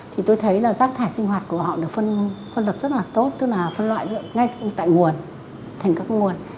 thì tôi thấy là rác thải sinh hoạt của họ được phân lập rất là tốt tức là phân loại ngay tại nguồn thành các nguồn